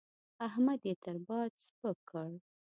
احمد يې تر باد سپک کړ.